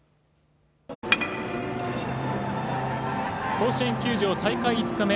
甲子園球場、大会５日目。